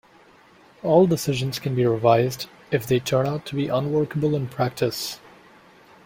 All decisions can be revised if they turn out to be unworkable in practice.